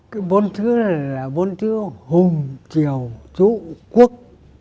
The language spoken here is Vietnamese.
cái bốn thứ này là bốn thứ hùng triều chú quốc